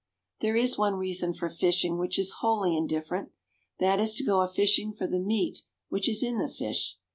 There is one reason for fishing which is wholly indifferent that is to go a fishing for the meat which is in the fish.